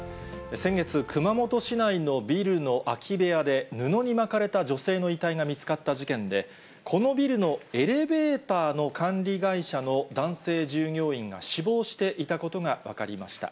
先月、熊本市内のビルの空き部屋で、布に巻かれた女性の遺体が見つかった事件で、このビルのエレベーターの管理会社の男性従業員が死亡していたことが分かりました。